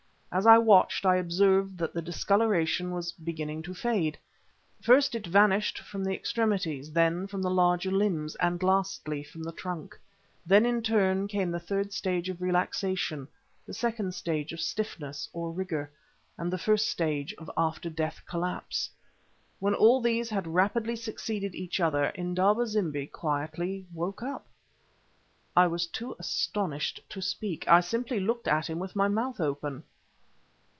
As I watched I observed that the discoloration was beginning to fade. First it vanished from the extremities, then from the larger limbs, and lastly from the trunk. Then in turn came the third stage of relaxation, the second stage of stiffness or rigor, and the first stage of after death collapse. When all these had rapidly succeeded each other, Indaba zimbi quietly woke up. I was too astonished to speak; I simply looked at him with my mouth open.